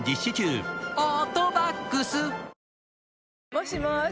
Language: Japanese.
もしもーし